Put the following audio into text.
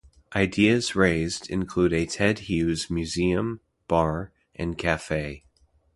Ideas raised include a 'Ted Hughes' museum, bar and cafe.